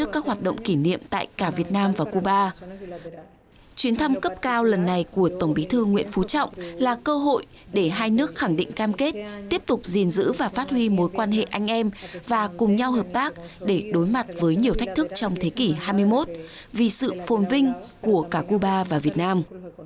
chuyến thăm cấp cao lần này của tổng bí thư nguyễn phú trọng là cơ hội để hai nước khẳng định cam kết tiếp tục gìn giữ và phát huy mối quan hệ anh em và cùng nhau hợp tác để đối mặt với nhiều thách thức trong thế kỷ hai mươi một vì sự phôn vinh của cả cuba và việt nam